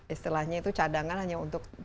istilahnya itu cadangan hanya untuk